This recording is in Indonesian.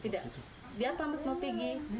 dia pamit mau pergi